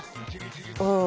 うん。